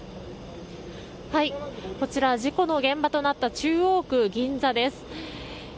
こちら、事故の現場となった中央区銀座です。